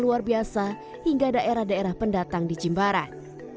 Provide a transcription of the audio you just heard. luar biasa hingga daerah daerah pendatang di jimbaran